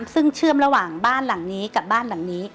ซึ่งเชื่อมระหว่างบ้านหลังนี้กับบ้านหลังนี้